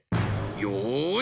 よし！